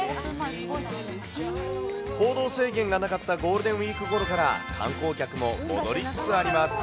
行動制限がなかったゴールデンウィークごろから、観光客も戻りつつあります。